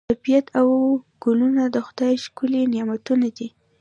طبیعت او ګلونه د خدای ښکلي نعمتونه دي.